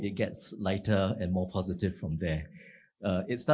akan lebih ringan dan positif dari situ